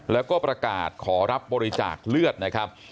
แล้วก็ประกาศขอรับบริจาคเลือดนะครับ